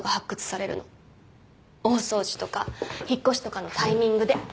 大掃除とか引っ越しとかのタイミングで。